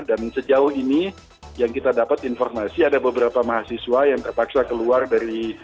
dan sejauh ini yang kita dapat informasi ada beberapa mahasiswa yang terpaksa keluar dari